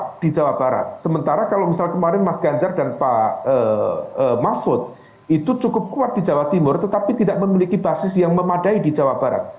ditambah lagi pak prabowo itu sudah kuat di jawa barat sementara kalau misal kemarin mas ganjar dan pak mahfud itu cukup kuat di jawa timur tetapi tidak memiliki basis yang memadai di jawa barat